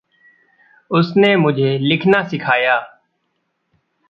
उसने मुझे लिखना सिखाया।